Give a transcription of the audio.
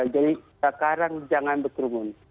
jadi sekarang jangan berkerumun